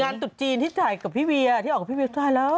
งานตุ๊ดจีนที่ถ่ายกับพี่เบียร์ที่ออกกับพี่เบียร์ถ่ายแล้ว